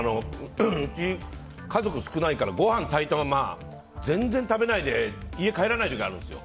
うち、家族が少ないからご飯を炊いたまま全然食べないで家に帰らないことがあるんです。